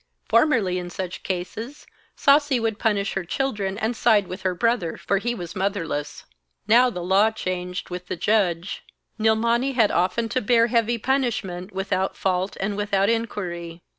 Formerly in such cases, Sasi would punish her children, and side with her brother, for he was motherless. Now the law changed with the judge. Nilmani had often to bear heavy punishment without fault and without inquiry.